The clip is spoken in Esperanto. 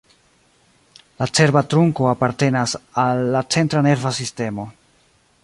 La cerba trunko apartenas al la centra nerva sistemo.